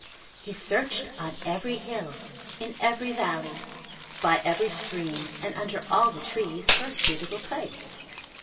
He searched on every hill, in every valley, by every stream, and under all the trees for a suitable place.